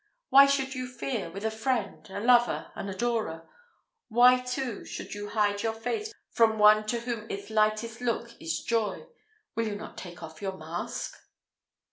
"Why should you fear, with a friend, a lover, an adorer? Why, too, should you hide your face from one to whom its lightest look is joy? Will you not take off your mask?"